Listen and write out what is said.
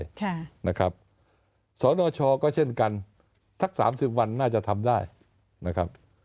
ค่ะนะครับสนชก็เช่นกันสักสามสิบวันน่าจะทำได้นะครับ